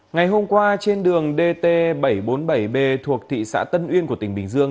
ngày hôm qua trên đường dt bảy trăm bốn mươi bảy b thuộc thị xã tân uyên của tỉnh bình dương